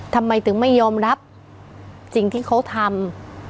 ทำไมถึงไม่ยอมรับสิ่งที่เขาทำ